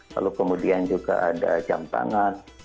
lalu kemudian juga ada jantangan